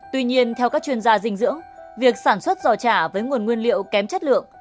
tuy nhiên theo các chuyên gia dinh dưỡng việc sản xuất giò chả với nguồn nguyên liệu kém chất lượng